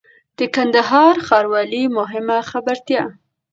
د کندهار ښاروالۍ مهمه خبرتيا